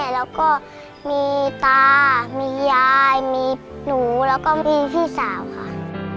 แล้วก็มีตามียายมีหนูแล้วก็มีพี่สาวค่ะ